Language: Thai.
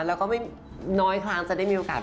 แล้วก็ไม่น้อยครั้งจะได้มีโอกาส